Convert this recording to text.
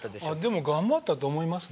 でも頑張ったと思いますね。